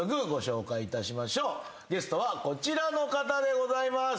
ゲストはこちらの方でございます。